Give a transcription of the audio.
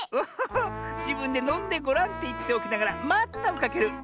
じぶんでのんでごらんっていっておきながらまったをかける。